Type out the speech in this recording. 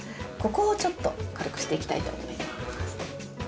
ここをちょっと軽くしていきたいと思います。